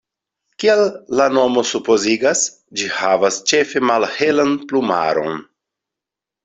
Kiel la nomo supozigas, ĝi havas ĉefe malhelan plumaron.